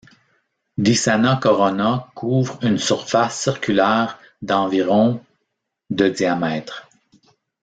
Dhisana Corona couvre une surface circulaire d'environ de diamètre.